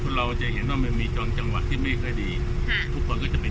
เราจะเห็นว่ามันมีตอนจังหวะที่ไม่ค่อยดีค่ะทุกคนก็จะเป็น